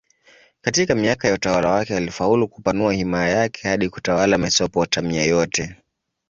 Katika miaka ya utawala wake alifaulu kupanua himaya yake hadi kutawala Mesopotamia yote.